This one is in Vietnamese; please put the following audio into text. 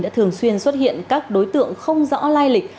đã thường xuyên xuất hiện các đối tượng không rõ lai lịch